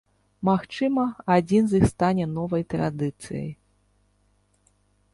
Магчыма, адзін з іх стане новай традыцыяй.